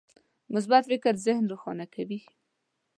مثبت فکر ذهن روښانه کوي.